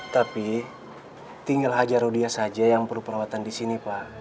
tapi tinggal aja rodia saja yang perlu perawatan disini pak